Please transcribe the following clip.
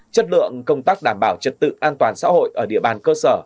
chất lượng công tác đảm bảo trật tự an toàn xã hội ở địa bàn cơ sở